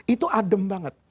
itu adem banget